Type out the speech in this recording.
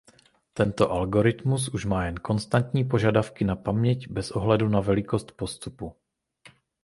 Tento algoritmus už má jen konstantní požadavky na paměť bez ohledu na velikost vstupu.